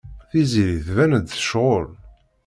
Tiziri tban-d tecɣel.